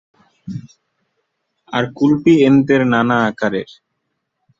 আর কুলপি এন্তের নানা আকারের।